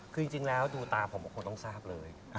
คือจริงแล้วดูตาผมก็คงต้องทราบเลย